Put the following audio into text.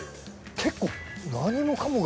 結構何もかもが。